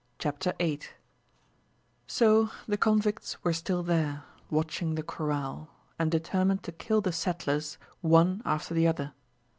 Chapter 8 So the convicts were still there, watching the corral, and determined to kill the settlers one after the other.